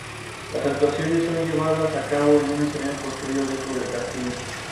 Las actuaciones son llevadas a cabo en un escenario construido dentro del castillo.